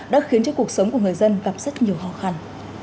đã khiến cho cuộc sống của người dân gặp rất nhiều khó khăn